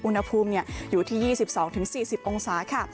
อุณหภูมิอยู่ที่๒๒๔๐องศาค่ะ